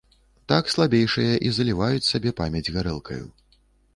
Так слабейшыя і заліваюць сабе памяць гарэлкаю.